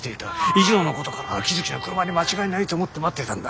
以上のことから秋月の車に間違いないと思って待ってたんだ。